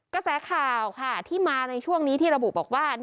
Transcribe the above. กระแสข่าวค่ะที่มาในช่วงนี้ที่ระบุบอกว่า